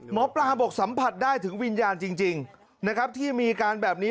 หมอปลาบอกสัมผัสได้ถึงวิญญาณจริงนะครับที่มีอาการแบบนี้